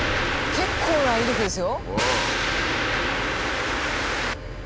結構な威力ですよ。